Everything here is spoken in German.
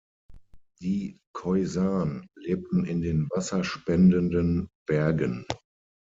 Die Khoisan lebten in den Wasser spendenden Bergen.